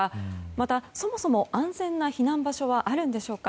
またそもそも安全な避難場所はあるんでしょうか。